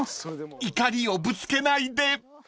［怒りをぶつけないで］